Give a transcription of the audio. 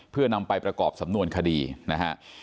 เพื่อนำไปประกอบสำนวนคดีนะฮะ